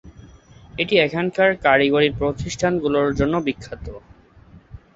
এটি এখানকার কারিগরী প্রতিষ্ঠান গুলোর জন্য বিখ্যাত।